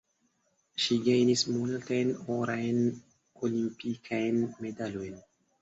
Ŝi gajnis multajn orajn olimpikajn medalojn.